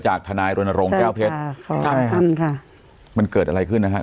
จากธนายโรนโรงแก้วเพชรใช่ค่ะขอบคุณค่ะมันเกิดอะไรขึ้นนะคะ